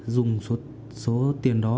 dùng số tiền đó